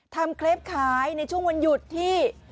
เคลปขายในช่วงวันหยุดที่